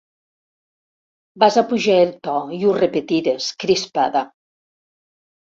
Vas apujar el to i ho repetires, crispada.